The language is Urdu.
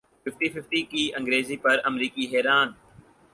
ففٹی ففٹی کی انگریزی پر امریکی حیران